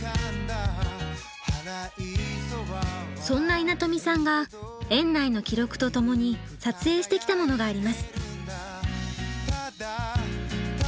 そんな稲富さんが園内の記録とともに撮影してきたものがあります。